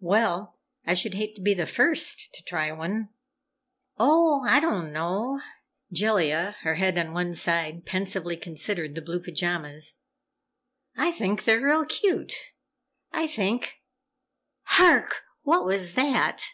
"Well, I should hate to be the first to try one!" "Oh, I don't know," Jellia, her head on one side, pensively considered the blue pajamas. "I think they're real cute. I think HARK! What was that?"